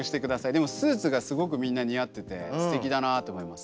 でもスーツがすごくみんな似合っててすてきだなと思います。